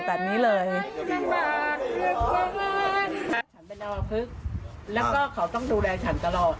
ฉันเป็นประพฤติแล้วก็เขาต้องดูแลฉันตลอด